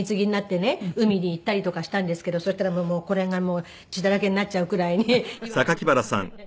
海に行ったりとかしたんですけどそしたらもうこれが血だらけになっちゃうくらいに岩場の所で。